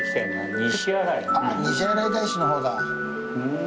西新井大師のほうだ。